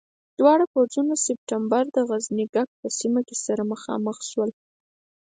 دواړه پوځونه د سپټمبر پر د غزنيګک په سیمه کې سره مخامخ شول.